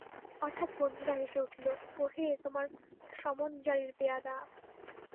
হঠাৎ বন্ধুরা হেসে উঠল, ওহে, তোমার সমনজারির পেয়াদা।